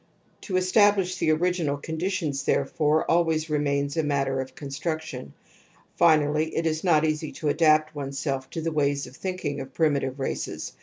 To establish the original conditions, therefore, always remains a matter of construction. Finally, it is not easy to adapt oneself to the wa3rs of thinking of primitive races.